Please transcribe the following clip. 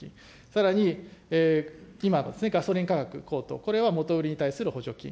さらに今のですね、ガソリン価格高騰、これは元売りに対する補助金。